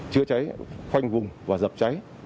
chữa cháy khoanh vùng và dập cháy